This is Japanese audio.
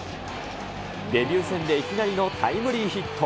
デビュー戦でいきなりのタイムリーヒット。